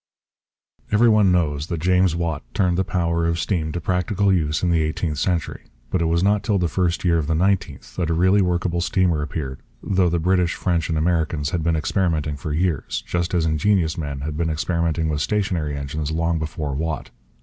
Every one knows that James Watt turned the power of steam to practical use in the eighteenth century. But it was not till the first year of the nineteenth that a really workable steamer appeared, though the British, French, and Americans had been experimenting for years, just as ingenious men had been experimenting with stationary engines long before Watt.